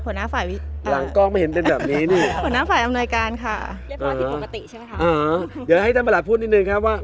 เดี๋ยวให้ท่านมาหลัดพูดนิดหนึ่งครับว่า